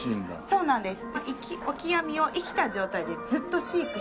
そうなんです。